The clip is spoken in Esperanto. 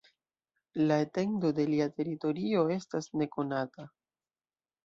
La etendo de lia teritorio estas nekonata.